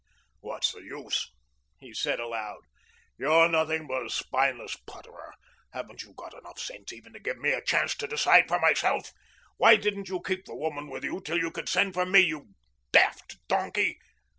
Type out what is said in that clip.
"What's the use?" he said aloud. "You're nothing but a spineless putterer. Haven't you enough sense even to give me a chance to decide for myself? Why didn't you keep the woman with you till you could send for me, you daft donkey?"